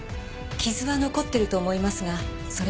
傷は残っていると思いますがそれも次第に。